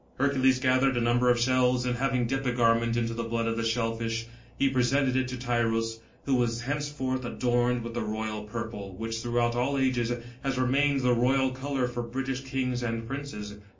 Hercules gathered a number of the shells, and having dipped a garment in the blood of the shellfish, he presented it to Tyros, who was henceforth adorned with the royal purple, which throughout all ages has remained the royal colour for British kings and princes.